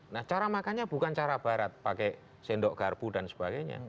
nah cara makannya bukan cara barat pakai sendok garpu dan sebagainya